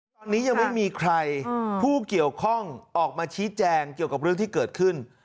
ตอนนี้ยังไม่มีใครผู้เกี่ยวข้องออกมาชี้แจงเกี่ยวกับเรื่องที่เกิดขึ้น